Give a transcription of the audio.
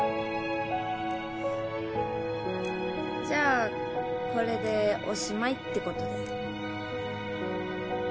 じゃあこれでおしまいってことで。